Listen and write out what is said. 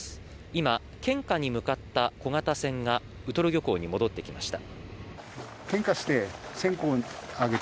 今、献花に向かった小型船がウトロ漁港に戻ってきました。